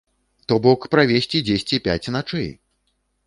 То бок правесці дзесьці пяць начэй!